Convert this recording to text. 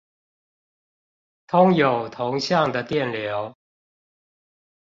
通有同向的電流